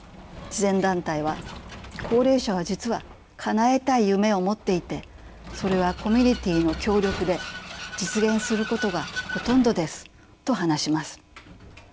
慈善団体は「高齢者は実はかなえたい夢を持っていてそれはコミュニティーの協力で実現することがほとんどです」と話します。